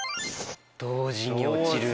「同時に落ちる」